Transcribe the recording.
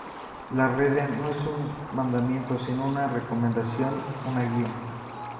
La Rede no es un mandamiento sino una recomendación, una guía.